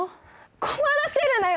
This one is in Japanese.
困らせるなよ